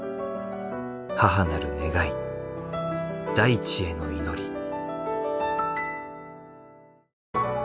母なる願い大地への祈り。